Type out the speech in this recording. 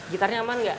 gitarnya aman gak